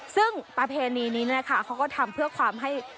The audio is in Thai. ซึ่งประเพณีนี้นะคะเขาก็ทำเพื่อความให้